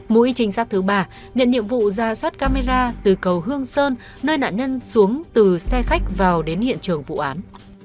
mũi trinh sát thứ ba nhận nhiệm vụ ra soát camera từ cầu hương sơn nơi nạn nhân xuống từ xe khách vào đến hiện trường vụ án